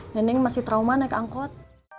neneng masih trauma naik angkot